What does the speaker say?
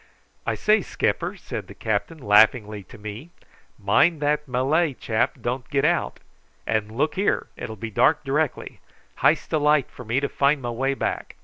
"I say, skipper," said the captain laughingly to me, "mind that Malay chap don't get out; and look here, it will be dark directly, hyste a light for me to find my way back."